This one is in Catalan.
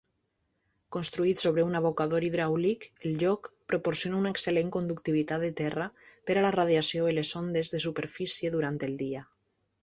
Construït sobre un abocador hidràulic, el lloc proporciona una excel·lent conductivitat de terra per a la radiació de les ondes de superfície durant el dia.